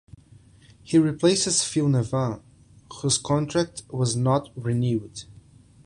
He replaces Phil Nevin, whose contract was not renewed.